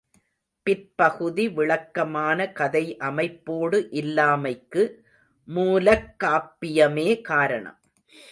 பிற்பகுதி விளக்கமான கதை அமைப்போடு இல்லாமைக்கு மூலக்காப்பியமே காரணம்.